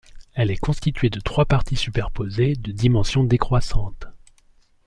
Elle est constituée de trois parties superposées de dimensions décroissantes.